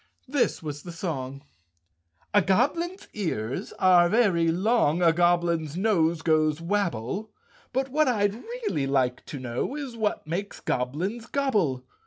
This was the song: " A goblin's ears are very long, A goblin's nose goes wabble, But what I'd really like to know Is what makes goblins gobble?